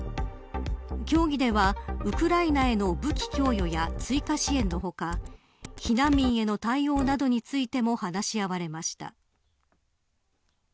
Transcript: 協議ではウクライナへの武器供与や追加支援の他避難民への対応などについても話し合われました。